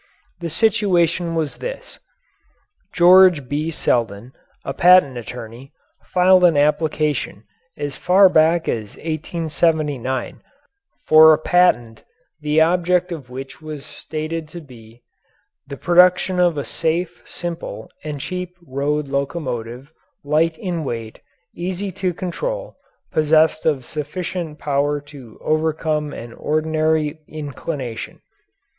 The situation was this: George B. Selden, a patent attorney, filed an application as far back as 1879 for a patent the object of which was stated to be "The production of a safe, simple, and cheap road locomotive, light in weight, easy to control, possessed of sufficient power to overcome an ordinary inclination."